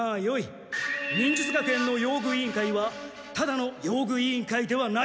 忍術学園の用具委員会はただの用具委員会ではない。